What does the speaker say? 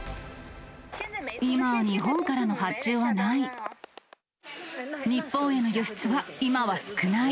今、日本からの発注はない。